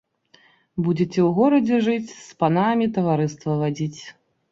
Будзеце ў горадзе жыць, з панамі таварыства вадзіць.